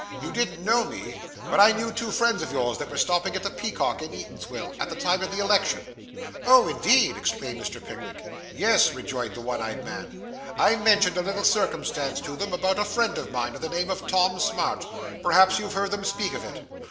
'You didn't know me, but I knew two friends of yours that were stopping at the Peacock at Eatanswill, at the time of the election.' 'Oh, indeed!' exclaimed Mr. Pickwick. 'Yes,' rejoined the one eyed man. 'I mentioned a little circumstance to them about a friend of mine of the name of Tom Smart. Perhaps you've heard them speak of it.